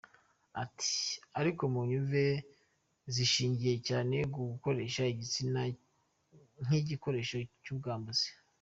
Ati “Ariko munyumve, zishingiye cyane ku gukoresha igitsina nk’igikoresho cy’ubwambuzi.